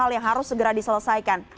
yang harus segera diselesaikan